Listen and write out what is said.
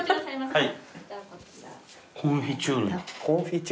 はい。